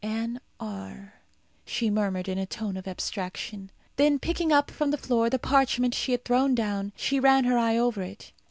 "Anne R," she murmured in a tone of abstraction. Then picking up from the floor the parchment she had thrown down, she ran her eye over it.